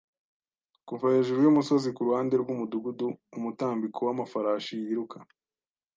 kuva hejuru yumusozi kuruhande rwumudugudu - umutambiko wamafarashi yiruka.